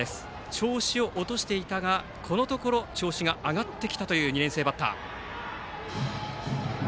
調子を落としていたがこのところ調子を上げてきたという２年生バッター。